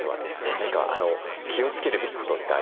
何か気をつけるべきことってありますか？